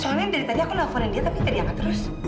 soalnya dari tadi aku nelfonin dia tapi jadi angkat terus